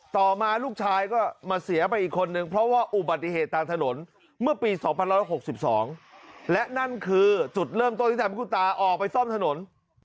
ต่อมาลูกชายก็มาเสียไปอีกคนนึงเพราะว่าอุบัติเหตุตามถนนเมื่อปี๒๑๖๒และนั่นคือจุดเริ่มต้นที่ทำให้คุณตาออกไปซ่อมถนน